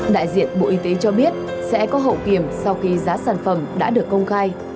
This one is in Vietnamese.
đại diện bộ y tế cho biết sẽ có hậu kiểm sau khi giá sản phẩm đã được công khai